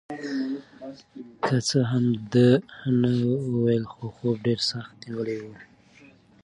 که څه هم ده نه وویل خو خوب ډېر سخت نیولی و.